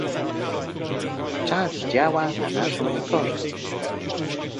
Czas działa na naszą niekorzyść